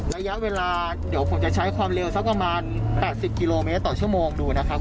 ระยะเวลาเดี๋ยวผมจะใช้ความเร็วสักประมาณ๘๐กิโลเมตรต่อชั่วโมงดูนะครับ